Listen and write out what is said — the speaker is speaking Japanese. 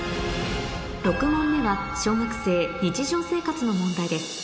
６問目は小学生日常生活の問題です